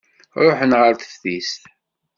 Ṛuḥen ɣer teftist.